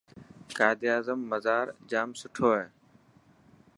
قائداعظم مزار ڄام سٺوهي.